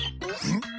ん？